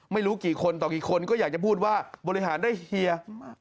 ไม่รู้กี่คนต่อกี่คนก็อยากจะพูดว่าบริหารได้เฮีย